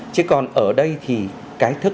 chứ còn ở đây thì cái thức